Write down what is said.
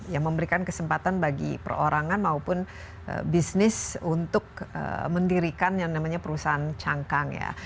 yang memberikan kesempatan bagi perorangan maupun bisnis untuk mendirikan yang namanya perusahaan cangkang ya